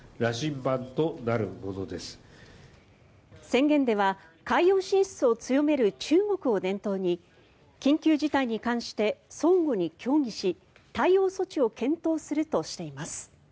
宣言では海洋進出を強める中国を念頭に緊急事態に関して相互に協議し対応措置を検討するとしています。